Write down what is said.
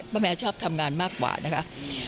แม่ชอบทำงานมากกว่านะคะ